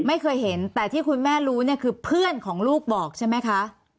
ไม่เคยเห็นแต่ที่คุณแม่รู้เนี่ยคือเพื่อนของลูกบอกใช่ไหมคะ